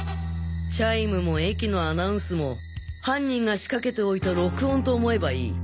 チャイムも駅のアナウンスも犯人が仕掛けておいた録音と思えばいい。